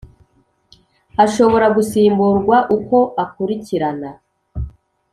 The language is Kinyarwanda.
ashobora gusimburwa uko akurikirana